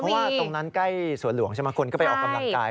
เพราะว่าตรงนั้นใกล้สวนหลวงใช่ไหมคนก็ไปออกกำลังกาย